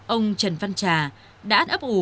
ông trần văn trà đã ấp ủ